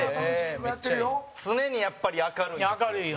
常に、やっぱり明るいんですよ。